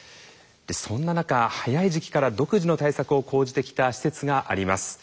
そんな中早い時期から独自の対策を講じてきた施設があります。